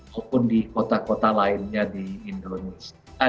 maupun di kota kota lainnya di indonesia